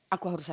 aku mau berjalan